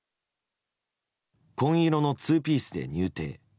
紺色のツーピースで入廷。